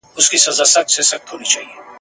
بيا به ستوني ستغ سو لاندي تر بړستني !.